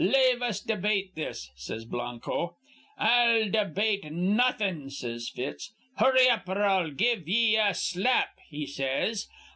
'Lave us debate this,' says Blanco. 'I'll debate nawthin', says Fitz. 'Hurry up, or I'll give ye a slap,' he says.